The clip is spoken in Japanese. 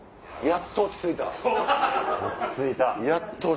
やっと落ち着いた。